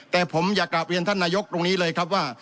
แต่ผมอยากกลับเรียนท่านนายกตรงนี้เลยครับว่า